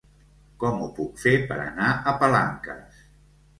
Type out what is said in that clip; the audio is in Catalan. Com ho puc fer per anar a Palanques?